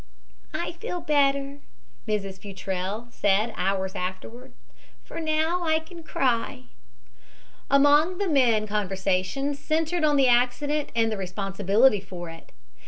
"I feel better," Mrs. Futrelle said hours afterward, "for I can cry now." Among the men conversation centered on the accident and the responsibility for it.